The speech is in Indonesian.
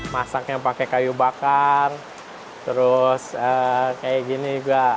masaknya pakai kayu bakar terus kayak gini juga